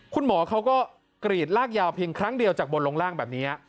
คุณหมอเขาก็กรีดลากยาวเพียงครั้งเดียวจากบนลงล่างแบบนี้